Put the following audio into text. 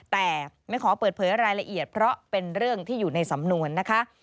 แต่ไม่ขอเปิดเผยรายละเอียดเพราะเป็นเรื่องที่อยู่ในสำนวนนะคะ